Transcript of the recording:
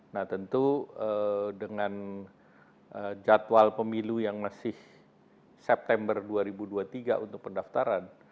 nah tentu dengan jadwal pemilu yang masih september dua ribu dua puluh tiga untuk pendaftaran